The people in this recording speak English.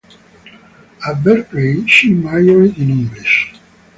At Berkeley she majored in English.